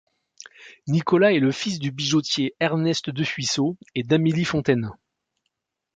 Nicolas est le fils du bijoutier Ernest Defuisseaux et d'Amélie Fontaine.